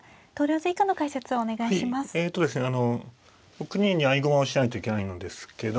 ６二に合駒をしないといけないのですけど